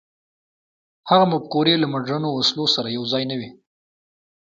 هغه مفکورې له مډرنو وسلو سره یو ځای نه وې.